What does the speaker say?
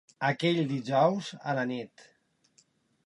Aquell dijous, a la nit